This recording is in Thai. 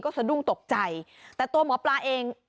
สะดุ้งตกใจแต่ตัวหมอปลาเอง